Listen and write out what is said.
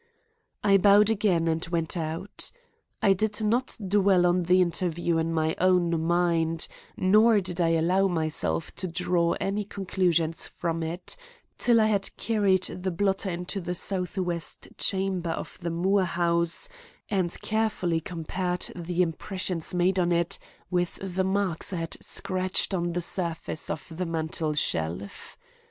I bowed again and went out. I did not dwell on the interview in my own mind nor did I allow myself to draw any conclusions from it, till I had carried the blotter into the southwest chamber of the Moore house and carefully compared the impressions made on it with the marks I had scratched on the surface of the mantel shelf.